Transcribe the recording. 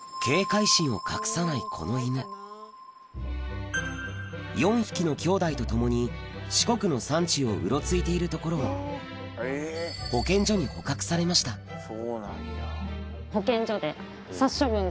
警戒心を隠さないこの犬４匹のきょうだいと共に四国の山中をうろついているところを保健所に捕獲されました保健所で。